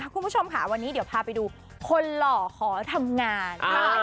คุณผู้ชมค่ะวันนี้เดี๋ยวพาไปดูคนหล่อขอทำงาน